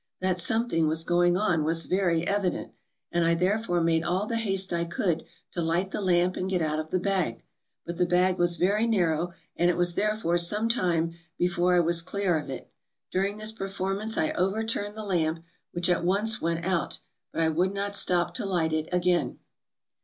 That something was going on was very evident, and I therefore made all the haste I could to light the lamp and get out of the bag. But the bag was very narrow, and it was therefore some time before I was clear of it; during this performance I overturned the lamp, which at once went out, but I would not stop to light it again.